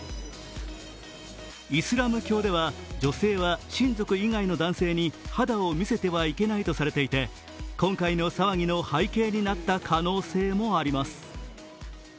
イスラム教では女性は親族以外の男性に肌を見せてはいけないとされていて今回の騒ぎの背景になった可能性もあります。